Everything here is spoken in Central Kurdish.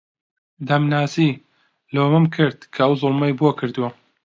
دەمناسی، لۆمەم کرد کە ئەو زوڵمەی بۆ کردووە